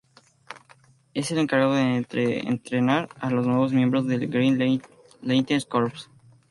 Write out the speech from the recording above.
Es el encargado de entrenar a los nuevos miembros del Green Lantern Corps.